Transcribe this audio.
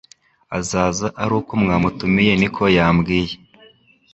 Azaza aruko mwamutumiye niko yambwiye